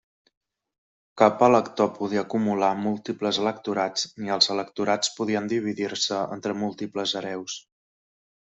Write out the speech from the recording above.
Cap Elector podia acumular múltiples Electorats, ni els Electorats podien dividir-se entre múltiples hereus.